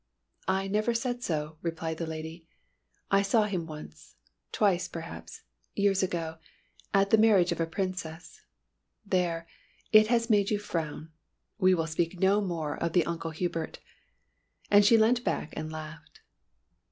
"I never said so," replied the lady. "I saw him once twice perhaps years ago at the marriage of a princess. There, it has made you frown, we will speak no more of the Uncle Hubert!" and she leant back and laughed.